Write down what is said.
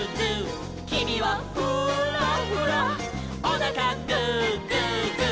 「きみはフーラフラ」「おなかグーグーグー」